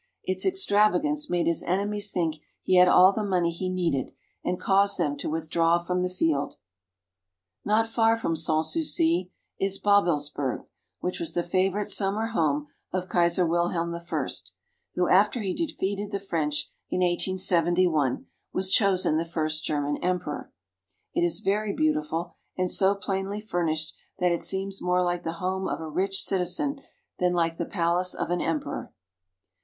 Its extravagance made his enemies think he had all the money he needed, and caused them to withdraw from the field. Not far from Sans Souci is Babelsberg, which was the favorite summer home of Kaiser Wilhelm I, who, after CARP. EUROPE — 14 222 GERMANY. he defeated the French in 1871, was chosen the first German emperor. It is very beautiful, and so plainly furnished that it seems more like the home of a rich citizen than like the palace of an emperor.